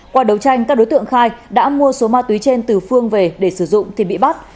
qua đấu tranh các đối tượng khai đã mua số ma túy trên từ phương về để sử dụng thì bị bắt